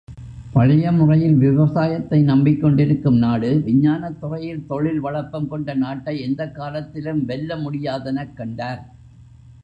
பழைய முறையில் விவசாயத்தை நம்பிக்கொண்டிருக்கும் நாடு விஞ்ஞானத் துறையில் தொழில் வளப்பங்கொண்ட நாட்டை எந்தக்காலத்திலும் வெல்லமுடியாதெனக் கண்டார்.